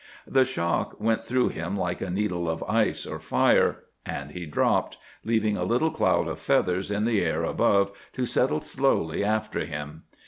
The shock went through him like a needle of ice or fire, and he dropped, leaving a little cloud of feathers in the air above to settle slowly after him.